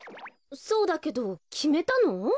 そうだけどきめたの？